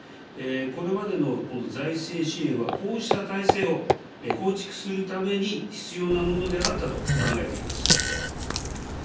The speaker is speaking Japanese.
これまでの財政支援はこうした体制を構築するために必要なものであったと考えています。